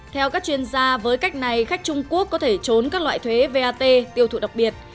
theo các chuyên gia với cách này khách trung quốc có thể trốn các loại thuế vat tiêu thụ đặc biệt